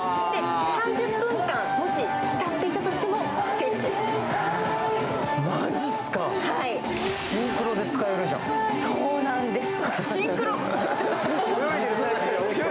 ３０分間、もしつかっていたとしてもセーフです。